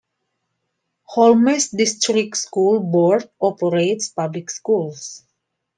Holmes District School Board operates public schools.